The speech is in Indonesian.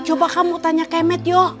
coba kamu tanya kemet yuk